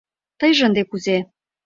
Тыйже ынде кузе?